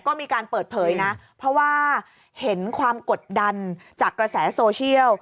ก็มีการเปิดเผยนะเพราะว่าเห็นความกดดันจากกระแสโซเชียล